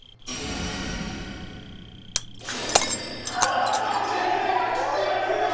３万２９８９円！